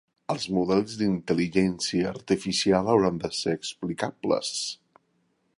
Els models de Intel·ligència Artificial hauran de ser explicables.